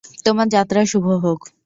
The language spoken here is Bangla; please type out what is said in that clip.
তোমার যাত্রা শুভ হোক।